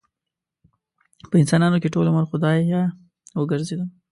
په انسانانو کې ټول عمر خدايه وګرځېدم